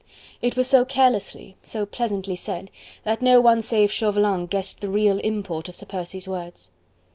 It was so carelessly, so pleasantly said, that no one save Chauvelin guessed the real import of Sir Percy's words.